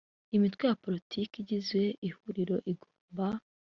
imitwe ya politiki igize ihuriro igomba